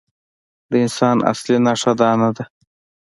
د انسان اصلي نښه دا نه ده.